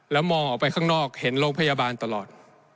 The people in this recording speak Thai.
แล้วมองออกไปข้างนอกเห็นโรงพยาบาลตลอด